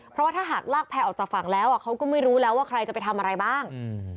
เพราะว่าถ้าหากลากแพร่ออกจากฝั่งแล้วอ่ะเขาก็ไม่รู้แล้วว่าใครจะไปทำอะไรบ้าง